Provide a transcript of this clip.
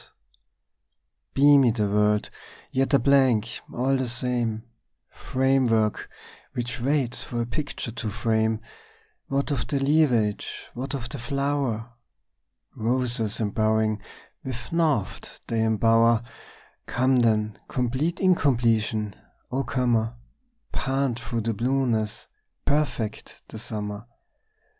Beamy the world, yet a blank all the same, Framework which waits for a picture to frame: What of the leafage, what of the flower? Roses embowering with naught they embower! Come then, complete incompletion, O comer, Pant through the blueness, perfect the summer!